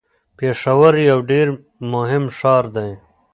پېښور یو ډیر مهم ښار دی.